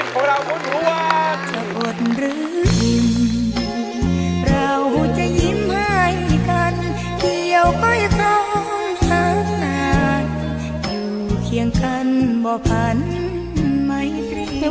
ขอบคุณคุณหนุวัลครับขอบคุณเมื่อครับชัยมีคนนักสู้ชีวิตของเราคุณหนุวัล